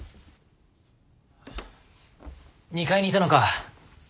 ２階にいたのか。